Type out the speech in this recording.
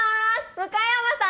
向山さん！